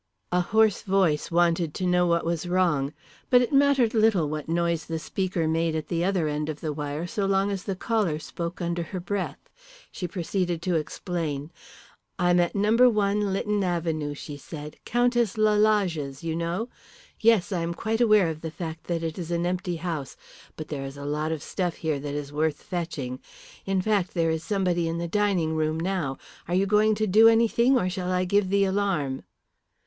A hoarse voice wanted to know what was wrong. But it mattered little what noise the speaker made at the other end of the wire so long as the caller spoke under her breath. She proceeded to explain. "I'm at No. 1, Lytton Avenue," she said, "Countess Lalage's, you know. Yes, I am quite aware of the fact that it is an empty house. But there is a lot of stuff here that is worth fetching. In fact, there is somebody in the dining room now. Are you going to do anything, or shall I give the alarm?"